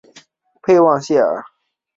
佩旺谢尔。